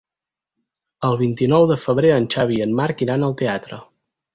El vint-i-nou de febrer en Xavi i en Marc iran al teatre.